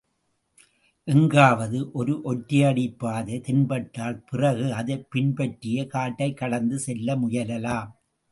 எங்காவது ஒரு ஒற்றையடிப்பாதை தென்பட்டால் பிறகு அதைப் பின்பற்றியே காட்டைக் கடந்து செல்ல முயலலாம்.